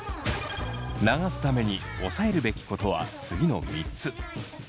流すためにおさえるべきことは次の３つ。